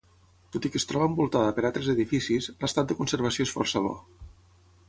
Tot i que es troba envoltada per altres edificis, l'estat de conservació és força bo.